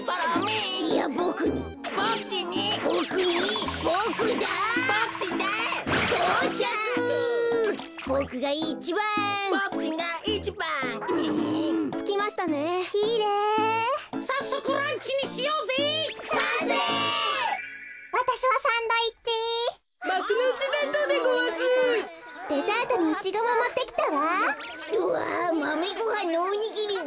うわマメごはんのおにぎりだ。